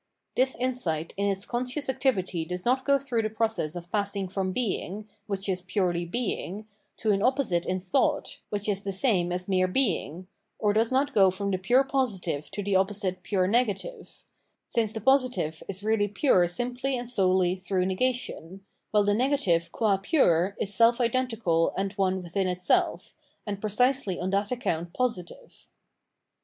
This insight in its conscious activity does not go through the process of p^ing from being, which is purely being, to an opposite in thought, which is the same as mere being, or does not go from the pure positive to the opposite pure negative ; since the positive is really pure simply and solely through negation, while the negative qua pure is self identical and one vnthin itself, and precisely on that account positive.